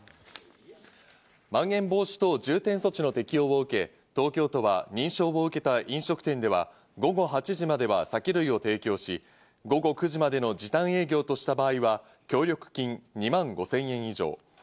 まん延防止等重点措置の適用を受け、東京都は認証を受けた飲食店では午後８時までは酒類を提供し、午後９時までの時短営業とした場合は協力金２万５０００円以上。